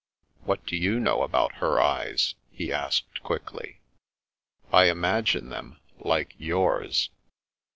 " What do you know about her eyes? " he asked quickly. " I imagine them like yours."